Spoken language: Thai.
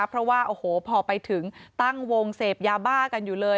เพราะว่าโอ้โหพอไปถึงตั้งวงเสพยาบ้ากันอยู่เลย